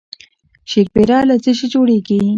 شیرپیره له څه شي جوړیږي؟